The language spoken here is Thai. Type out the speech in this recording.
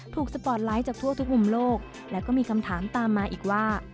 สปอร์ตไลท์จากทั่วทุกมุมโลกและก็มีคำถามตามมาอีกว่า